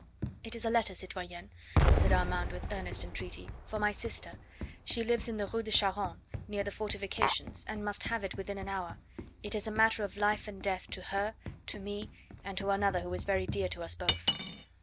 "It is a letter, citoyenne," said Armand, with earnest entreaty, "for my sister. She lives in the Rue de Charonne, near the fortifications, and must have it within an hour; it is a matter of life and death to her, to me, and to another who is very dear to us both."